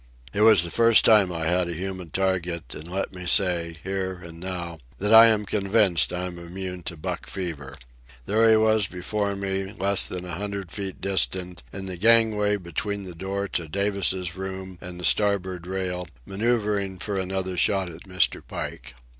It was the first time I had a human target, and let me say, here and now, that I am convinced I am immune to buck fever. There he was before me, less than a hundred feet distant, in the gangway between the door to Davis' room and the starboard rail, manoeuvring for another shot at Mr. Pike.